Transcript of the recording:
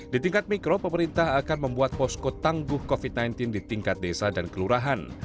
di tingkat mikro pemerintah akan membuat posko tangguh covid sembilan belas di tingkat desa dan kelurahan